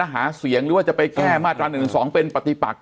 หาเสียงหรือว่าจะไปแก้มาตรฐานหนึ่งสองเป็นปฏิปักษณ์